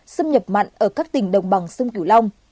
xâm nhập mặn ở các tỉnh đồng bằng sông cửu long